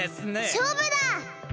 しょうぶだ！